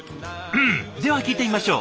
では聞いてみましょう。